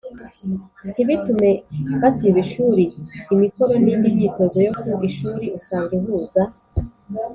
ntibitume basiba ishuri. Imikoro n’indi myitozo yo ku ishuri usanga ihuza